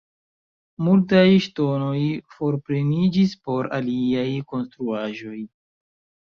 Multaj ŝtonoj forpreniĝis por aliaj konstruaĵoj.